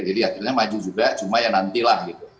jadi akhirnya maju juga cuma ya nantilah gitu